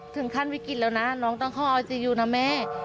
ขั้นวิกฤตแล้วนะน้องต้องเข้าไอซียูนะแม่